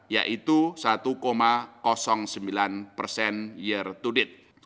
yaitu satu sembilan persen year to date